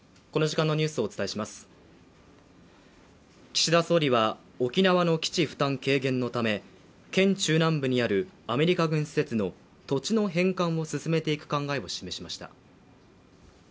岸田総理は沖縄の基地負担軽減のため、県中南部にあるアメリカ軍施設の土地の返還を進めていく考えを示しました。